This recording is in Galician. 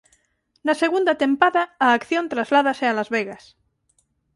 Na segunda tempada a acción trasládase a Las Vegas.